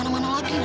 boleh nanti kira